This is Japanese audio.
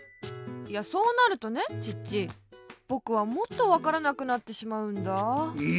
いやそうなるとねチッチぼくはもっとわからなくなってしまうんだ。え？